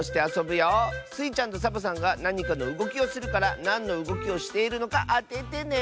スイちゃんとサボさんがなにかのうごきをするからなんのうごきをしているのかあててね！